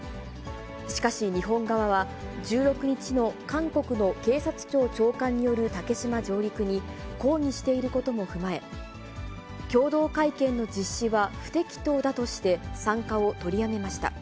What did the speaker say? しかし、日本側は、１６日の韓国の警察庁長官による竹島上陸に抗議していることも踏まえ、共同会見の実施は不適当だとして参加を取りやめました。